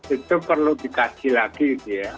itu perlu dikaji lagi gitu ya